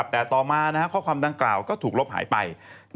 แต่ต่อมาข้อความดังกล่าวก็ถูกลบหายไป